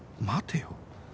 待てよ？